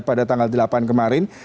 pada tanggal delapan kemarin